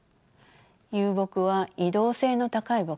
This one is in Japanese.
遊牧は移動性の高い牧畜です。